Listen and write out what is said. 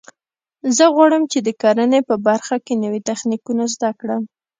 زه غواړم چې د کرنې په برخه کې نوي تخنیکونه زده کړم